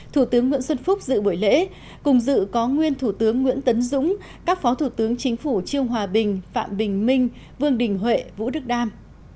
thủ tướng nguyễn xuân phúc dự buổi lễ cùng dự có nguyên thủ tướng nguyễn tấn dũng các phó thủ tướng chính phủ trương hòa bình phạm bình minh vương đình huệ vũ đức đam